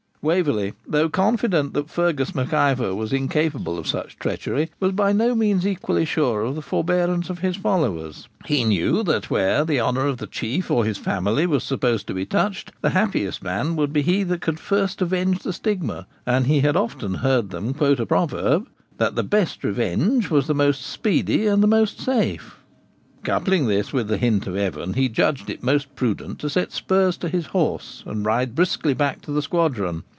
Waverley, though confident that Fergus Mac Ivor was incapable of such treachery, was by no means equally sure of the forbearance of his followers. He knew that, where the honour of the Chief or his family was supposed to be touched, the happiest man would be he that could first avenge the stigma; and he had often heard them quote a proverb, 'That the best revenge was the most speedy and most safe.' Coupling this with the hint of Evan, he judged it most prudent to set spurs to his horse and ride briskly back to the squadron.